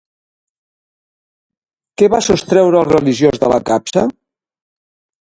Què va sostreure el religiós de la capsa?